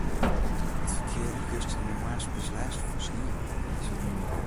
It ferkear hie juster yn de moarnsspits lêst fan snie en izel.